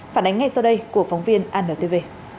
phản ánh ngay sau đây của phóng viên anntv